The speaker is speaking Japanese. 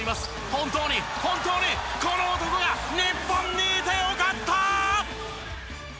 本当に本当にこの男が日本にいてよかったー！